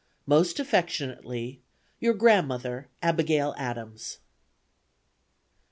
Most affectionately, "Your Grandmother, "ABIGAIL ADAMS."